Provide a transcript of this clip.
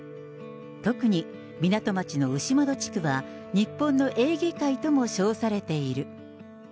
特に港町の牛窓地区は、日本のエーゲ海とも称されている。